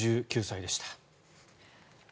８９歳でした。